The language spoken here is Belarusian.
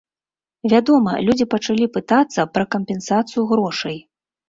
Вядома, людзі пачалі пытацца пра кампенсацыю грошай.